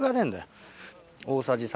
大さじ３。